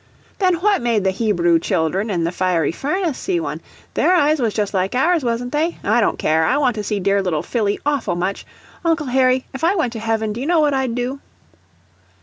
"Then what made the Hebrew children in the fiery furnace see one? Their eyes was just like ours, wasn't they? I don't care; I want to see dear little Phillie AWFUL much. Uncle Harry, if I went to heaven, do you know what I'd do?"